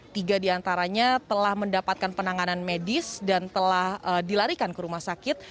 tiga diantaranya telah mendapatkan penanganan medis dan telah dilarikan ke rumah sakit